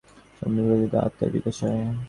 মনের সম্পূর্ণ বৃত্তিহীনতায় আত্মার বিকাশ হয়।